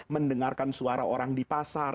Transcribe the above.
mendengarkan suara orang di pasar